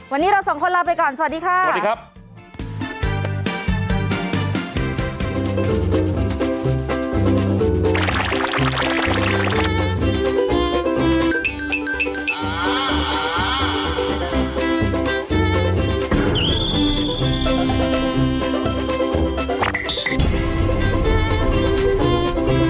วันนี้เราสองคนลาไปก่อนสวัสดีค่ะสวัสดีครับ